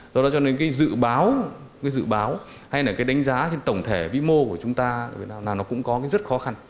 do đó cho nên cái dự báo cái dự báo hay là cái đánh giá trên tổng thể vĩ mô của chúng ta là nó cũng có cái rất khó khăn